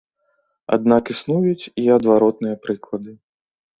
Аднак існуюць і адваротныя прыклады.